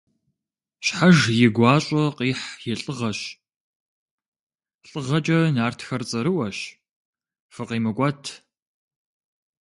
Щхьэж и гуащӀэ къихь и лӀыгъэщ, лӀыгъэкӀэ нартхэр цӀэрыӀуэщ, фыкъимыкӀуэт!